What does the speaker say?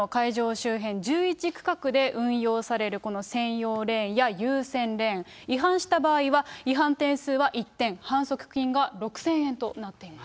周辺１１区画で運用される、この専用レーンや優先レーン、違反した場合は、違反点数は１点、反則金が６０００円となっています。